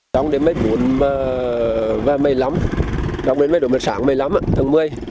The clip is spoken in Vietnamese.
đóng đến mấy buổi mây lắm đóng đến mấy đủ mưa sáng mây lắm tháng một mươi